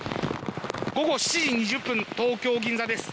午後７時２０分東京・銀座です。